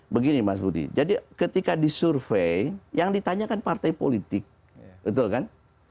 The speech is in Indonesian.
begini mas budi jadi ketika disurvey yang ditanyakan partai politik betul kan